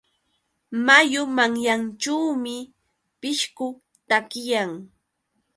Mayu manyanćhuumi pishqu takiyan.